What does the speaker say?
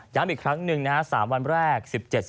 ย้ำอีกครั้งหนึ่งนะสามวันแรก๑๗๑๘๑๙